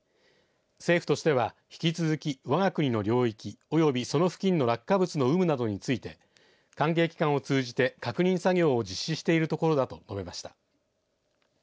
政府としては、引き続きわが国の領域及びその付近の落下物の有無について関係機関を通じて確認作業を実施しているところだと述べました。